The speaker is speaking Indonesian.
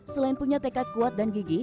selain punya tekad kuat dan gigi